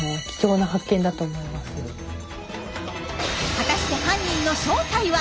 果たして犯人の正体は？